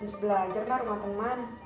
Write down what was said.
habis belajar ma rumah teman